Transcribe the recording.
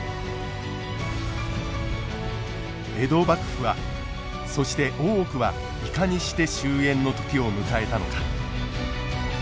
江戸幕府はそして大奥はいかにして終えんの時を迎えたのか。